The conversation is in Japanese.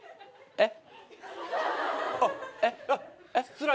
えっ？